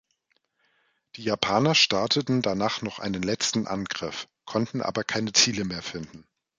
Die Japaner starteten danach noch einen letzten Angriff, konnten aber keine Ziele mehr finden.